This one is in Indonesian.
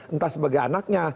entah sebagai anaknya